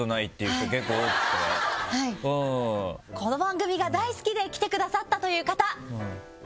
この番組が大好きで来てくださったという方？